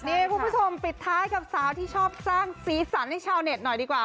นี่คุณผู้ชมปิดท้ายกับสาวที่ชอบสร้างสีสันให้ชาวเน็ตหน่อยดีกว่า